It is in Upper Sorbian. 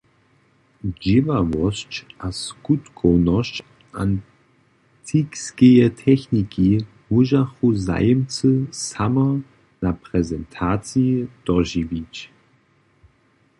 Dźěławosć a skutkownosć antikskeje techniki móžachu zajimcy samo na prezentaciji dožiwić.